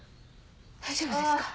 大丈夫ですか？